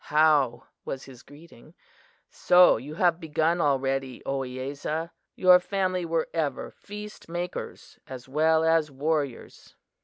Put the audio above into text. "How," was his greeting, "so you have begun already, Ohiyesa? Your family were ever feastmakers as well as warriors."